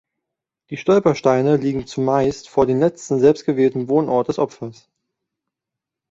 Die Stolpersteine liegen zumeist vor dem letzten selbstgewählten Wohnort des Opfers.